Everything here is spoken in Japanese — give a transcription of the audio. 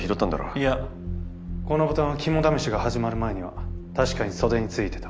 いやこのボタンは肝試しが始まる前には確かに袖に付いてた。